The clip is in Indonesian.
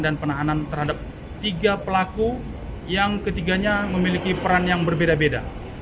dan penahanan terhadap tiga pelaku yang ketiganya memiliki peran yang berbeda beda